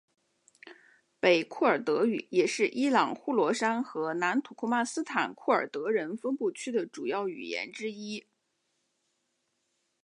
北库尔德语也是伊朗呼罗珊和南土库曼斯坦库尔德人分布区的主要语言之一。